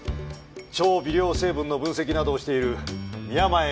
超微量成分の分析などをしている宮前守。